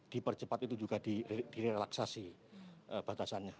dipercepat itu juga direlaksasi batasannya